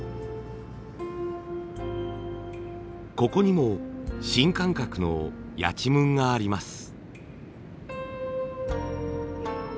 ここにも新感覚のやちむんがあります。